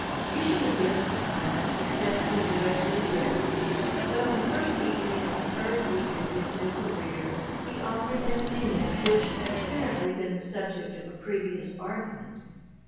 Usually Bibbs was silent, except when directly addressed, but on the first evening of the third week of his new career he offered an opinion which had apparently been the subject of previous argument.